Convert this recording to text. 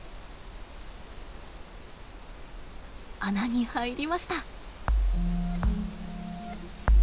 穴に入りました。